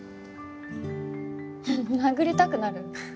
殴りたくなる。